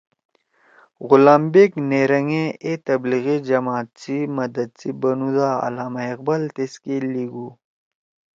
غلام بیک نیرنگ ئے اے تبلیغی جماعت سی مدد سی بنُودا علامہ اقبال تیسکے لیِگُو: